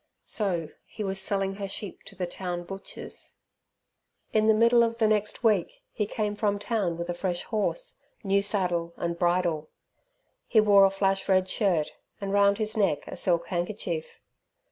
So he was selling her sheep to the town butchers. In the middle of the next week he came from town with a fresh horse, new saddle and bridle. He wore a flash red shirt, and round his neck a silk handkerchief.